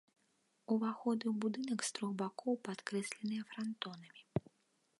Уваходы ў будынак з трох бакоў падкрэсленыя франтонамі.